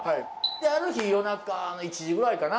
である日夜中の１時ぐらいかな。